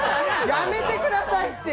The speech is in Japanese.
やめてくださいって。